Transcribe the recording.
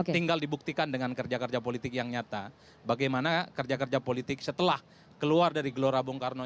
tinggal dibuktikan dengan kerja kerja politik yang nyata bagaimana kerja kerja politik setelah keluar dari gelora bung karno